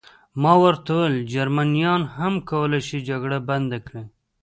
ما ورته وویل: جرمنیان هم کولای شي جګړه بنده کړي.